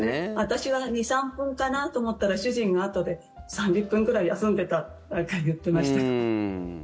私は２３分かなと思ったら主人があとで３０分くらい休んでたって言ってました。